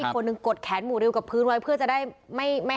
ครับอีกคนนึงกดแขนหมู่ริวกับผืนไว้เพื่อจะได้ไม่ไม่